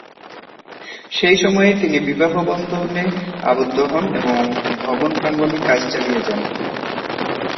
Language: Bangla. সেই সময়ে তিনি বিবাহবন্ধনে আবদ্ধ হন এবং ভবন প্রাঙ্গনে কাজ চালিয়ে যান।